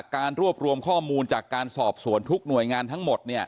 การรวบรวมข้อมูลจากการสอบสวนทุกหน่วยงานทั้งหมด